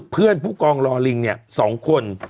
เพื่อนผู้กองลอลิงเนี่ย๒คน